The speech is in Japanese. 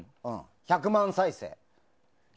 １００万再生。